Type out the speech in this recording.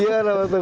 iya apa itu